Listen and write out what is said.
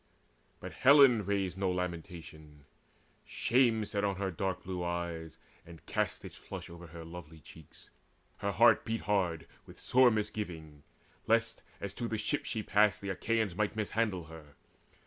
But Helen raised no lamentation: shame Sat on her dark blue eyes, and cast its flush Over her lovely cheeks. Her heart beat hard With sore misgiving, lest, as to the ships She passed, the Achaeans might mishandle her.